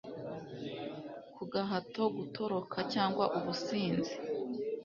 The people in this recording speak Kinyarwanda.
Ku gahato gutoroka cyangwa ubusinzi